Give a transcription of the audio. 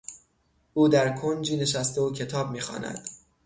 او درکنجی نشسته و کتاب میخواند.